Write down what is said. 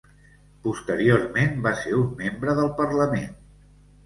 Posteriorment va ser un membre del Parlament.